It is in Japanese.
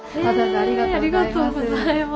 ありがとうございます。